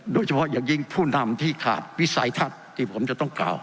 โดยเฉพาะอย่างยิ่งผู้นำที่ขาดวิสัยทัศน์ที่ผมจะต้องกล่าว